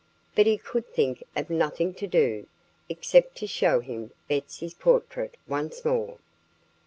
But he could think of nothing to do, except to show him Betsy's portrait once more.